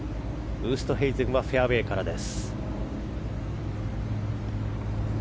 ウーストヘイゼンはフェアウェーからです。